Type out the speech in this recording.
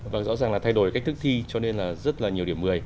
vâng rõ ràng là thay đổi cách thức thi cho nên là rất là nhiều điểm một mươi